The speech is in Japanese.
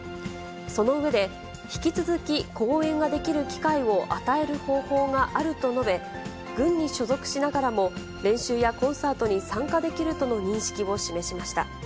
その上で、引き続き公演ができる機会を与える方法があると述べ、軍に所属しながらも、練習やコンサートに参加できるとの認識を示しました。